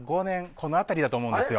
この辺りだと思うんですよ。